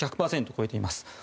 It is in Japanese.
１００％を超えています。